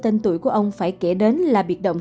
tên tuổi của ông phải kể đến là biệt động